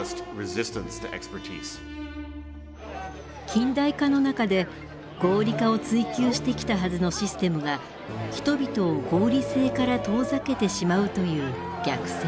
近代化の中で合理化を追求してきたはずのシステムが人々を合理性から遠ざけてしまうという逆説。